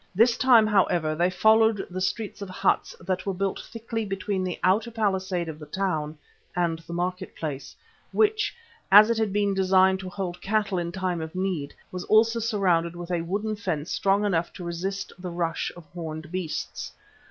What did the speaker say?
This time, however, they followed the streets of huts that were built thickly between the outer palisade of the town and the market place, which, as it had been designed to hold cattle in time of need, was also surrounded with a wooden fence strong enough to resist the rush of horned beasts.